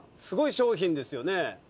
すごい賞品ですよね。